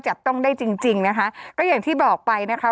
จับต้องได้จริงจริงนะคะก็อย่างที่บอกไปนะคะ